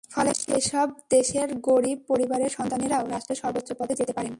ফলে সেসব দেশের গরিব পরিবারের সন্তানেরাও রাষ্ট্রের সর্বোচ্চ পদে যেতে পারেন।